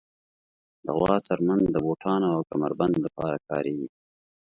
د غوا څرمن د بوټانو او کمر بند لپاره کارېږي.